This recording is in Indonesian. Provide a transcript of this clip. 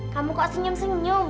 kamu kok senyum senyum